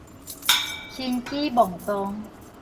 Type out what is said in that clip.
輕舉妄動